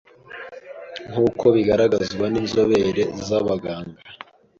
Nkuko bigaragazwa n’inzobere z’abaganga